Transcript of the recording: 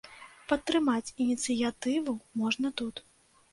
Падтрымаць ініцыятыву можна тут.